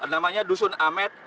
namanya dusun amed